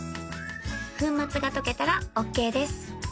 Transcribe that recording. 粉末が溶けたらオーケーです